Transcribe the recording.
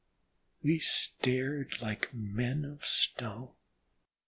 We stared like men of stone.